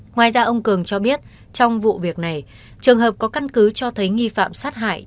ngoài ra ông cường cho biết trong vụ việc này trường hợp có căn cứ cho thấy nghi phạm sát hại